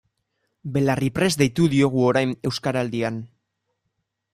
Belarriprest deitu diogu orain Euskaraldian.